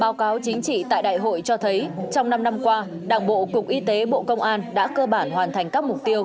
báo cáo chính trị tại đại hội cho thấy trong năm năm qua đảng bộ cục y tế bộ công an đã cơ bản hoàn thành các mục tiêu